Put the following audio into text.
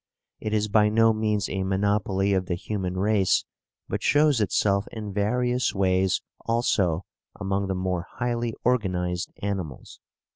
It is by no means a monopoly of the human race, but shows itself in various ways also among the more highly organized animals."